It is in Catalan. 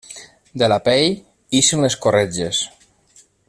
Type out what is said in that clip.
De la pell, ixen les corretges.